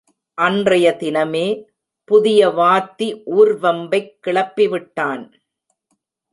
அன்றைய தினமே, புதிய வாத்தி ஊர்வம்பைக் கிளப்பிவிட்டான்.